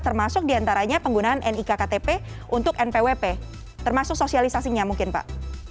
termasuk diantaranya penggunaan nik ktp untuk npwp termasuk sosialisasinya mungkin pak